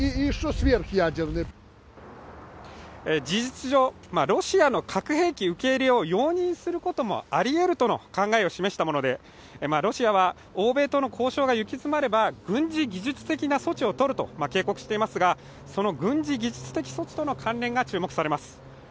事実上、ロシアの核兵器受け入れを容認することもありえるとの考えも示したもので、ロシアは欧米との交渉が行き詰まれば軍事技術的な措置をとると警告していますがその軍事技術的措置との関連が注目されます。